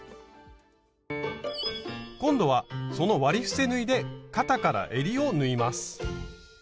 今度はその割り伏せ縫いで肩からえりを縫います。